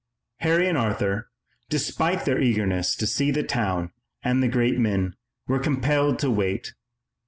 Harry and Arthur, despite their eagerness to see the town and the great men, were compelled to wait.